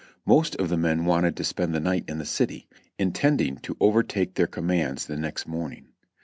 Most of the men wanted to spend the night in the city, intending to overtake their com mands the next morning.